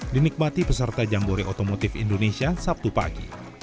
dinikmati peserta jambore otomotif indonesia sabtu pagi